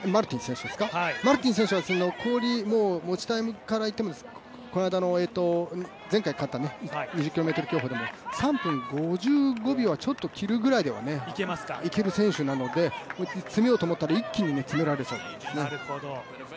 マルティン選手は残り、持ちタイムからいってもこの間の、前回勝った２０ｋｍ競歩でも３分５５秒をちょっと切るぐらいでいける選手なので詰めようと思ったら一気に詰められちゃいますね。